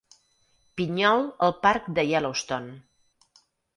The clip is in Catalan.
Pinyol al parc de Yellowstone.